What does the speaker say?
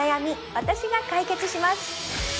私が解決します